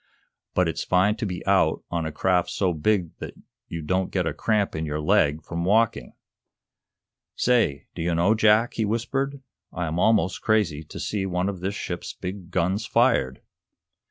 but it's fine to be out on a craft so big that you don't get a cramp in your leg from walking! Say, do you know, Jack," he whispered, "I am almost crazy to see one of this ship's big guns fired!"